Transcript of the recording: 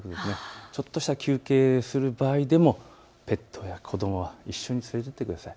ちょっとした休憩をする場合でもペットや子どもを一緒に連れていってください。